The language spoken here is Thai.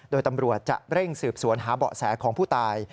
โดยตำรวจจะเร่งสืบสวนหาเบาะแสของผู้ตาย